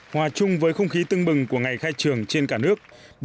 hòa chung với không khí tưng bừng của ngày khai trường trên cả nước